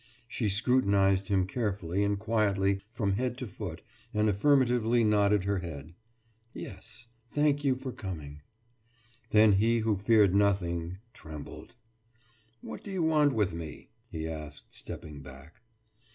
« She scrutinized him carefully and quietly from head to foot and affirmatively nodded her head. »Yes thank you for coming.« Then he who feared nothing, trembled. »What do you want with me?« he asked, stepping back.